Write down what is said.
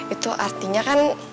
itu artinya kan